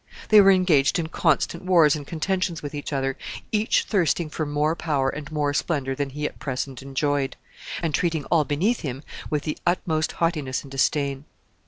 They were engaged in constant wars and contentions with each other, each thirsting for more power and more splendor than he at present enjoyed, and treating all beneath him with the utmost haughtiness and disdain.